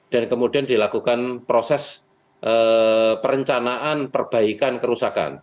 dan kemudian dilakukan proses perencanaan perbaikan kerusakan